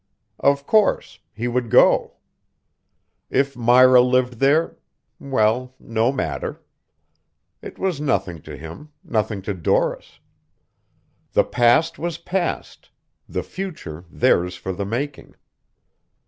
Of course, he would go. If Myra lived there, well, no matter. It was nothing to him, nothing to Doris. The past was past; the future theirs for the making.